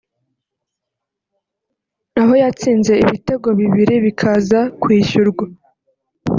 aho yatsinze ibitego bibiri bikaza kwishyurwa